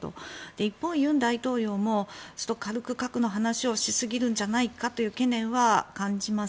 一方で、尹大統領も軽く核の話をしすぎるんじゃないかという懸念は感じます。